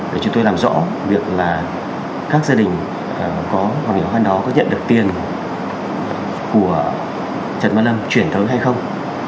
để chúng tôi làm rõ việc là các gia đình có hoàn cảnh khó khăn đó có nhận được tiền của trần văn lâm chuyển thống hay không